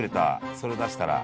それ出したら。